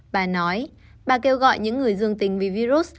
bà nói bà kêu gọi những người dương tình vì virus